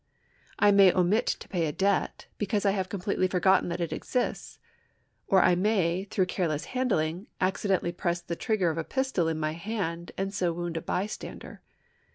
I may omit to pay a debt, because I have completely forgotten that it exists ; or I may, through careless handling, accidentally press the trigger of a pistol in my hand and so wound a bystander.